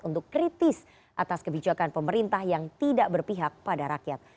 untuk kritis atas kebijakan pemerintah yang tidak berpihak pada rakyat